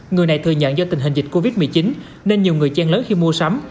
người này thừa nhận do tình hình dịch covid một mươi chín nên nhiều người chen lấn khi mua sắm